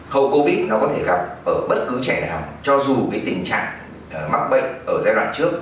hầu covid nó có thể gặp ở bất cứ trẻ nào cho dù cái tình trạng mắc bệnh ở giai đoạn trước